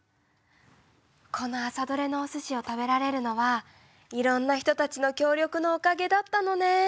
この朝どれのおすしを食べられるのはいろんな人たちの協力のおかげだったのね。